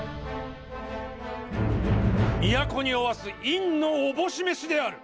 都におわす院のおぼし召しである。